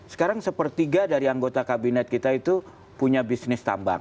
sekarang sepertiga dari anggota kabinet kita itu punya bisnis tambang